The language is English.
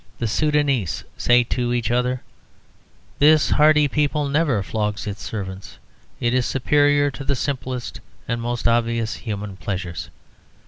The Soudanese say to each other, "This hardy people never flogs its servants; it is superior to the simplest and most obvious human pleasures."